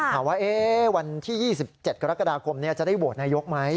ถามว่าวันที่๒๗กรกฎาคมจะได้โหวตนายกไหม